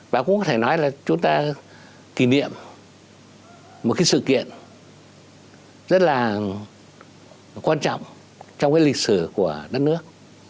bà cũng có thể nói là chúng ta kỷ niệm một cái sự kiện rất là quan trọng trong cái lịch sử của đất nước